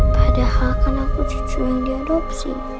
padahal kan aku jujur yang diadopsi